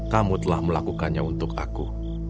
kamu telah melakukannya untuk aku